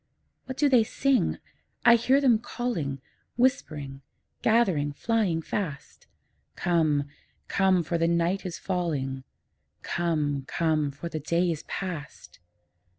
What do they sing? I hear them calling, Whispering, gathering, flying fast, 'Come, come, for the night is falling; Come, come, for the day is past!'